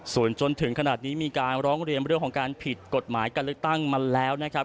ส่วนจนถึงขนาดนี้มีการร้องเรียนเรื่องของการผิดกฎหมายการเลือกตั้งมาแล้วนะครับ